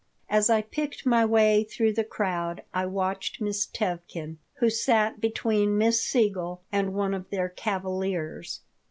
As I picked my way through the crowd I watched Miss Tevkin, who sat between Miss Siegel and one of their cavaliers.